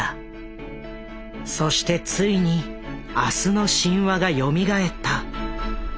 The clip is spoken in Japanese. そしてついに「明日の神話」がよみがえった。